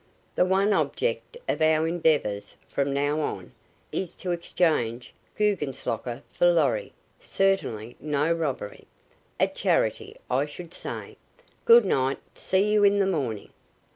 The one object of our endeavors, from now on, is to exchange Guggenslocker for Lorry certainly no robbery. A charity, I should say. Good night! See you in the morning."